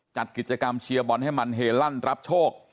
จัดกิจกรรมเชียร์บอลให้มันเฮลั่นรับโชค